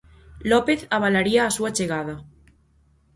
López avalaría a súa chegada.